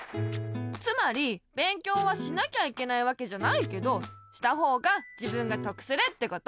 つまり勉強はしなきゃいけないわけじゃないけどしたほうが自分がとくするってこと。